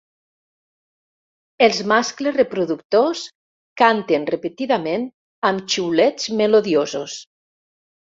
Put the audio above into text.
Els mascles reproductors canten repetidament amb xiulets melodiosos.